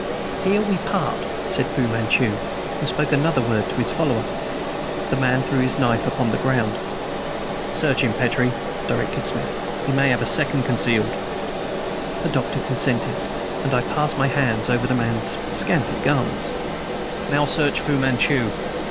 "Here we part," said Fu Manchu, and spoke another word to his follower. The man threw his knife upon the ground. "Search him, Petrie," directed Smith. "He may have a second concealed." The Doctor consented; and I passed my hands over the man's scanty garments. "Now search Fu Manchu."